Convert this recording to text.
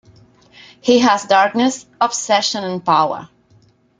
He has darkness, obsession and power.